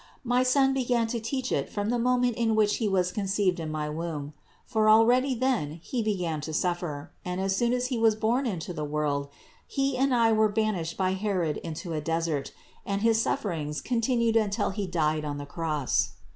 My Son began to teach it from the moment in which He was conceived in my womb. For already then He began to suffer, and as soon as He was born into the world He and I were banished by Herod into a desert, and his sufferings continued until He died on the Cross.